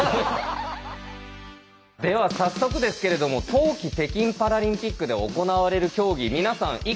では早速ですけれども冬季北京パラリンピックで行われる競技皆さん